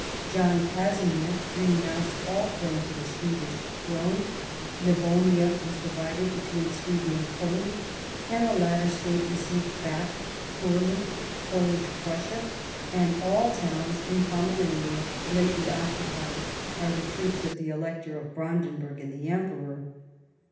John Casimir renounced all claim to the Swedish throne. Livonia was divided between Sweden and Poland, and the latter state re ceived back Courland, Polish Prussia, and all towns in Pomerania lately occupied by the troops of the Elector of Brandenburg and the Emperor.